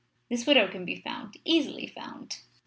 This widow can be found easily found."